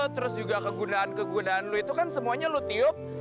terus juga kegunaan kegunaan lu itu kan semuanya lu tiup